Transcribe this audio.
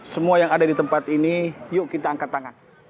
semua yang ada di tempat ini yuk kita angkat tangan